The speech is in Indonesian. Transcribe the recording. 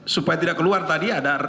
supaya tidak keluar tadi